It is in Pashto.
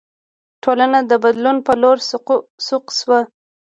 ټولنه د بدلون په لور سوق شوه.